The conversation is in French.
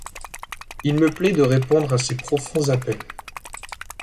Il me plaît de répondre à ces profonds appels